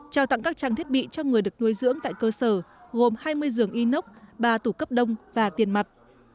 trao tặng các trang thiết bị cho người được nuôi dưỡng tại cơ sở gồm hai mươi giường inox ba tủ cấp đông và tiền mặt